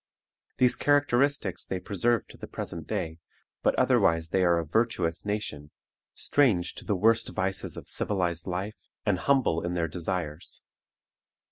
These characteristics they preserve to the present day, but otherwise they are a virtuous nation, strange to the worst vices of civilized life, and humble in their desires.